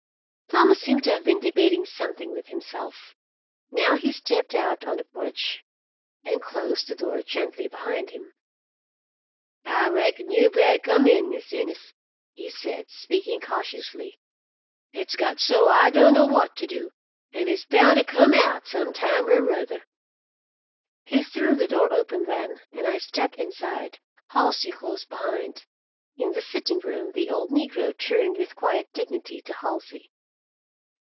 Thomas seemed to have been debating something with himself. Now he stepped out on the porch and closed the door gently behind him. "I reckon you bettah come in, Mis' Innes," he said, speaking cautiously. "It's got so I dunno what to do, and it's boun' to come out some time er ruther." He threw the door open then, and I stepped inside, Halsey close behind. In the sitting room the old negro turned with quiet dignity to Halsey.